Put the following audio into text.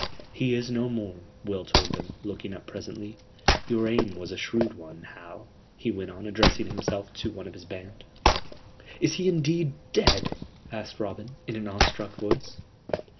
"He is no more," Will told them, looking up presently; "your aim was a shrewd one, Hal," he went on, addressing himself to one of his band. "Is he indeed dead?" asked Robin, in an awestruck voice.